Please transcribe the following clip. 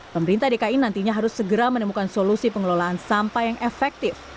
pemerintah dki nantinya harus segera menemukan solusi pengelolaan sampah yang efektif